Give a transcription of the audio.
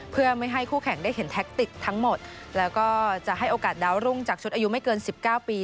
เพื่อไม่ให้คู่แข่งได้เห็นแท็กติกทั้งหมดแล้วก็จะให้โอกาสดาวรุ่งจากชุดอายุไม่เกินสิบเก้าปี